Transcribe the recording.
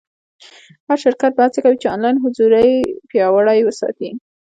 هر شرکت به هڅه کوي چې آنلاین حضور پیاوړی وساتي.